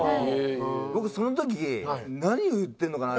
僕その時何を言ってるのかな？